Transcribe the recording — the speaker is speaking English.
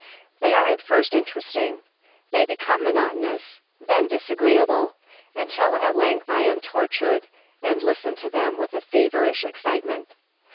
They are at first interesting. They become monotonous, then disagreeable; until at length I am tortured, and listen to them with a feverish excitement.